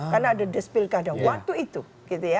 karena ada desk pilkada waktu itu gitu ya